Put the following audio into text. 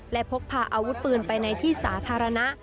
และพกพาอาวุธปืนไปในที่สาธารณะ